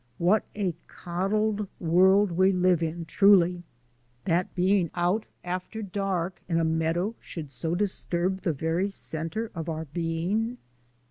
What a coddled world we live in, truly. That being out after dark in a meadow should so disturb the very centre of our being!